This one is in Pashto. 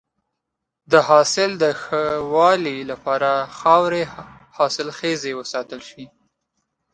د حاصل د ښه والي لپاره د خاورې حاصلخیزی وساتل شي.